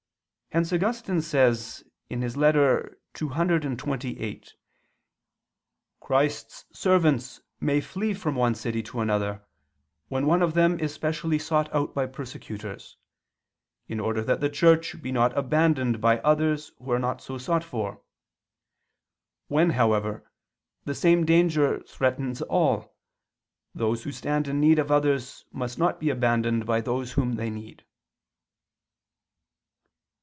Hence Augustine says (Ep. ccxxviii ad Honorat.): "Christ's servants may flee from one city to another, when one of them is specially sought out by persecutors: in order that the Church be not abandoned by others who are not so sought for. When, however, the same danger threatens all, those who stand in need of others must not be abandoned by those whom they need."